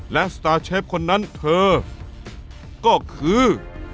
และสตาร์เชฟคนนั้นเธอก็คือ